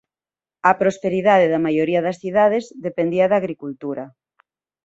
A prosperidade da maioría das cidades dependía da agricultura.